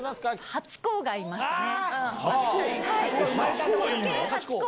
ハチ公がいますね。